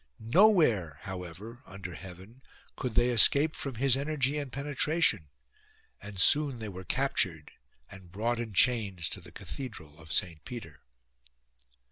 No where however under heaven could they escape from his energy and penetration ; and soon they were captured and brought in chains to the Cathedral of St Peter.